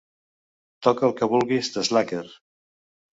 Toca el que vulguis d'Slacker